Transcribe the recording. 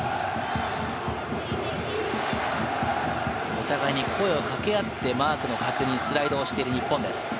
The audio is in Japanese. お互いに声を掛け合って、マークの確認、スライドをしている日本です。